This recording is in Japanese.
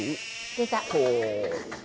出た。